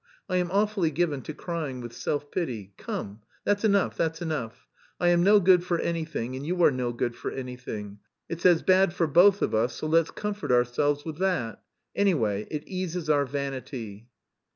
I am awfully given to crying with self pity. Come, that's enough, that's enough. I am no good for anything and you are no good for anything; it's as bad for both of us, so let's comfort ourselves with that. Anyway, it eases our vanity."